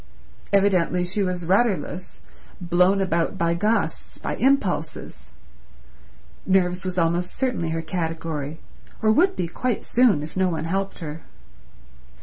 Evidently she was rudderless—blown about by gusts, by impulses. Nerves was almost certainly her category, or would be quite soon if no one helped her.